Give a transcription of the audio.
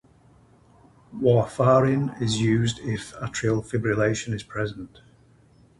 Warfarin is used if atrial fibrillation is present.